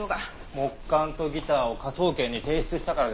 木管とギターを科捜研に提出したからですよね？